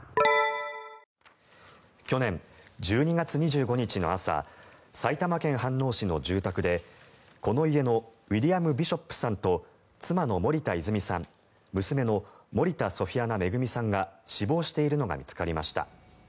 去年１２月２５日の朝埼玉県飯能市の住宅でこの家のウィリアム・ビショップさんと妻の森田泉さん娘の森田ソフィアナ恵さんが死亡しているのが見つかりました。